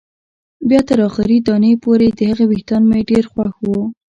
بیا تر اخري دانې پورې، د هغې وېښتان مې ډېر خوښ وو.